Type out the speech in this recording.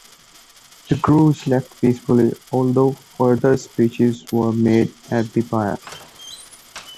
The crews left peacefully, although further speeches were made at the pier.